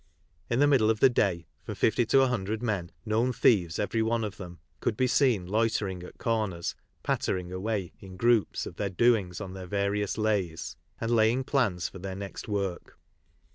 In the middle of the day from 50 to 100 men, known thieves every one of them, could be seen loitering at corners, " pattering " away in groups of their doings on their various "lays," and laying plans for their next work.